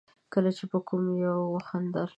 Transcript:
کله چې به کوم يوه وخندل.